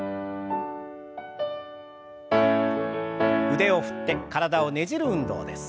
腕を振って体をねじる運動です。